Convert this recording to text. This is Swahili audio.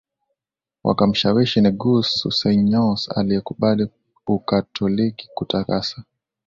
Wakamshawishi Negus Sussenyos aliyekubali Ukatoliki kutakasa